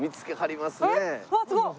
うわっすごっ！